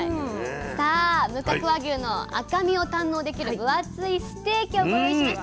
さあ無角和牛の赤身を堪能できる分厚いステーキをご用意しました。